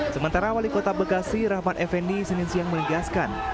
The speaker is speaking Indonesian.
sementara wali kota bekasi rahmat effendi senin siang menegaskan